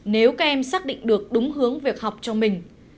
nếu các em xác định được đúng hướng việc học cho mình